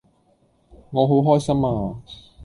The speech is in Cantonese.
我好開心呀